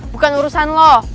bukan urusan lo